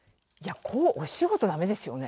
お仕事、だめですよね。